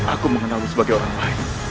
aku mengenalmu sebagai orang lain